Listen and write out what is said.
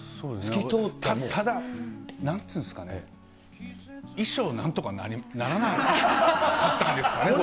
ただ、なんつうんすかね、衣装、なんとかならなかったんですかね、これ。